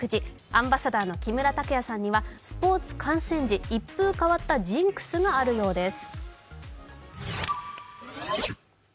アンバサダーの木村拓哉さんにはスポーツ観戦時一風変わったジンクスがあるようです。